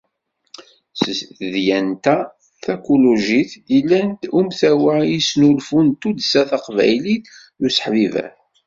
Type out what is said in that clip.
Seg tedyant-a takulujit, yella-d umtawa i usnulfu n Tuddsa taqbaylit n useḥbiber.